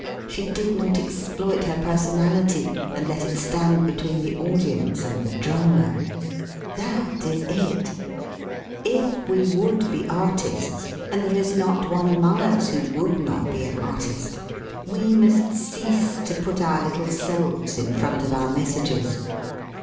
She did not exploit her person ality and let it stand between the audience and the drama/' That is it: if we would be artists (and there is not one among us who would not be an artist) we must cease to put our little selves in front of our mes sages.